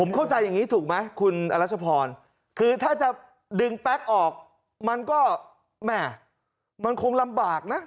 เข้าใจอย่างนี้ถูกไหมคุณอรัชพรคือถ้าจะดึงแป๊กออกมันก็แหม่มันคงลำบากนะ